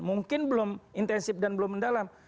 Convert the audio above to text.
mungkin belum intensif dan belum mendalam